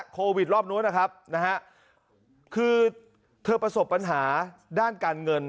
โควิดรอบนู้นนะครับนะฮะคือเธอประสบปัญหาด้านการเงิน